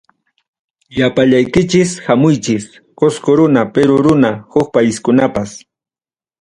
Llapallaykichis hamuychis, Qosqo runa, Perú runa, Huk paiskunapas.